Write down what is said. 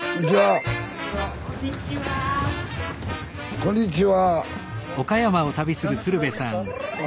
こんにちは。